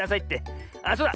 ああそうだ。